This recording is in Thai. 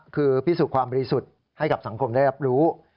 คือพิสูจน์ความบริสุทธิ์ให้กับสังคมได้รับรู้